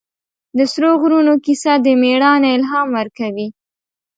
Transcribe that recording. د سرو غرونو کیسه د مېړانې الهام ورکوي.